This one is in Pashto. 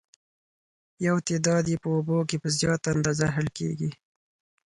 یو تعداد یې په اوبو کې په زیاته اندازه حل کیږي.